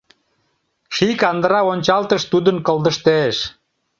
Ший кандыра— ончалтыш тудын кылдыштеш.